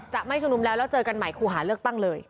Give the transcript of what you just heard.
จะไม่ชุมนุมแล้วแล้วเจอกันใหม่คู่หาเลือกตั้งเลย